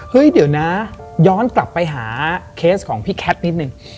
เฮ้ยเดี๋ยวนะย้อนกลับไปหาเคสของพี่แคทนิดนึง